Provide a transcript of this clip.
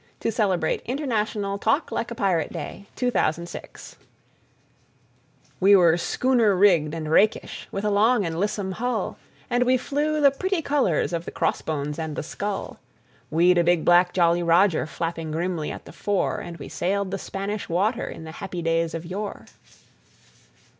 A BALLAD OF JOHN SILVER 7i A BALLAD OF JOHN SILVER We were schooner rigged and rakish, with a long and lissome hull, And we flew the pretty colours of the cross bones and the skull; We'd a big black Jolly Roger flapping grimly at the fore, And we sailed the Spanish Water in the happy days of yore.